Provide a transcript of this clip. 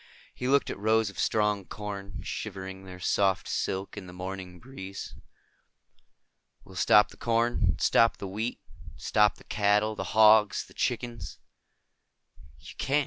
He looked at rows of strong corn, shivering their soft silk in the morning breeze. "We'll stop the corn. Stop the wheat. Stop the cattle, the hogs, the chickens." "You can't."